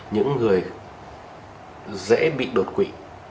những người dễ bị đột quỵ